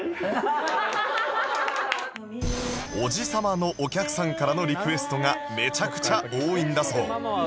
おじさまのお客さんからのリクエストがめちゃくちゃ多いんだそう